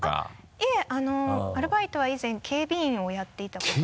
いえアルバイトは以前警備員をやっていたことが。